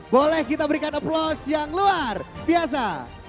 boleh kita berikan aplaus yang luar biasa